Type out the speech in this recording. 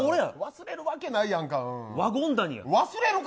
忘れるわけないやん。